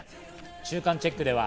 中間チェックでは。